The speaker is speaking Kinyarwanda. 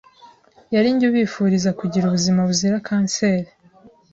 yari njye ubifuriza kugira ubuzima buzira kanseri